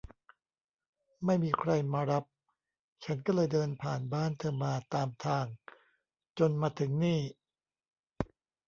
ไม่มีใครมารับ ฉันก็เลยเดินผ่านบ้านเธอมาตามทางจนมาถึงนี่